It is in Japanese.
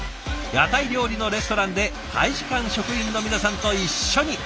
屋台料理のレストランで大使館職員の皆さんと一緒に。